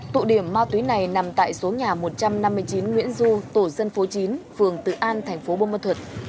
tụ điểm ma túy này nằm tại số nhà một trăm năm mươi chín nguyễn du tổ dân phố chín phường tự an thành phố bô mơ thuật